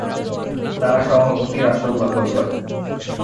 তারা সভাপতির আসন দখল করে।